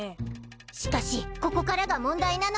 しかしここからが問題なのでぃす。